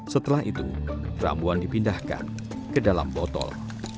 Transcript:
setelah itu ramuan dipindahkan ke dalam botol